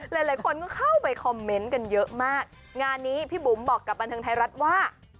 หลายคนก็เข้าไปคอมเมนต์กันเยอะมากงานนี้พี่บุ๋มบอกกับบันเทิงไทยรัฐว่า